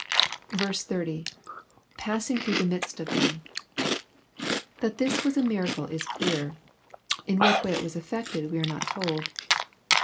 30. — [Passmg through ihe midst of ihem.] That this was a miracle is clear. In what way it was effected we are not told.